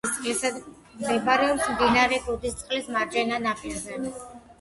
მდებარეობს მდინარე გუდისისწყლის მარჯვენა ნაპირზე.